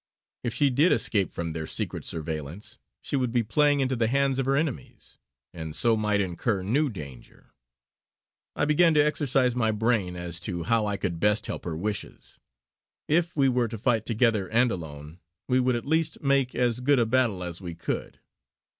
If she did escape from their secret surveillance, she would be playing into the hands of her enemies; and so might incur new danger. I began to exercise my brain as to how I could best help her wishes. If we were to fight together and alone, we would at least make as good a battle as we could.